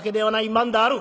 まんだある。